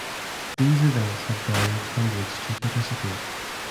These events have garnered hundreds to participate.